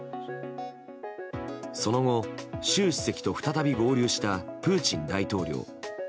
その後、習主席と再び合流したプーチン大統領。